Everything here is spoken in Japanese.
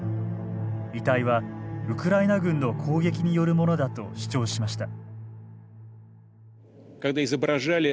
遺体はウクライナ軍の攻撃によるものだと主張しました。